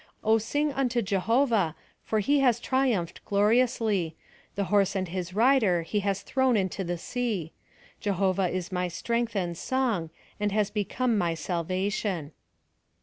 "O sins: unto Jelio vah, for he has triumphed gloriously ; the horse and his rider he has thrown into the sea. Jehovah is my strength and song, and has become my sal vation."